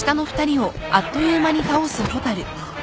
あっ！